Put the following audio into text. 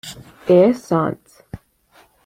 E. Sants.